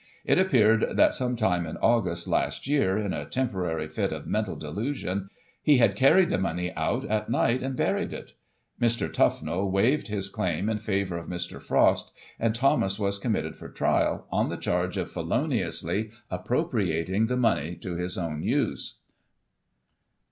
It appeared that, some time in August last year, in a temporary fit of mental delusion, he had carried the money out at night, and buried it. Mr. Tufnell waived his claim in favour of Mr. Frost, and Thomas~was committed for trial, on the charge of feloniously appropriating the money to his own use.